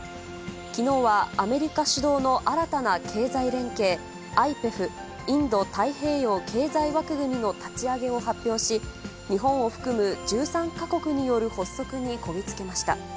きのうはアメリカ主導の新たな経済連携、ＩＰＥＦ・インド太平洋経済枠組の立ち上げを発表し、日本を含む１３か国による発足にこぎ着けました。